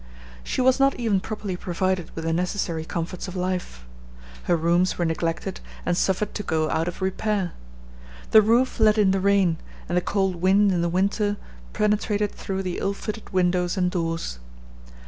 She was not even properly provided with the necessary comforts of life. Her rooms were neglected, and suffered to go out of repair. The roof let in the rain, and the cold wind in the winter penetrated through the ill fitted windows and doors.